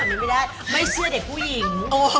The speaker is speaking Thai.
ไม่เชื่อเด็กผู้หญิง